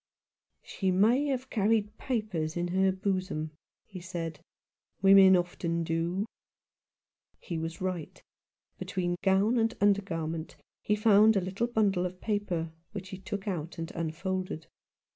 " She may have carried papers in her bosom," he said. "Women often do." He was right. Between gown and under garment he found a little bundle of paper, which he took out and unfolded.